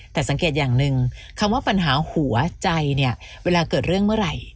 แต่สังเกตอย่างหนึ่งคำว่าปัญหาหัวใจเนี่ยเวลาเกิดเรื่องเมื่อไหร่